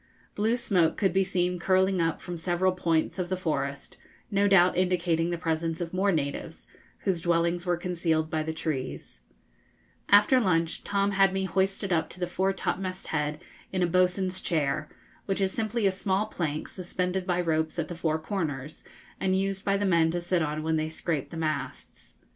Blue smoke could be seen curling up from several points of the forest, no doubt indicating the presence of more natives, whose dwellings were concealed by the trees. [Illustration: Going up the Mast in a Chair.] [Illustration: Children looking up] After lunch, Tom had me hoisted up to the foretopmast head in a 'boatswain's chair,' which is simply a small plank, suspended by ropes at the four corners, and used by the men to sit on when they scrape the masts.